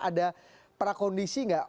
ada prakondisi enggak